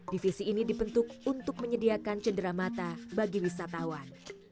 divisi ini dibentuk untuk menyediakan cedera mata bagi wisatawan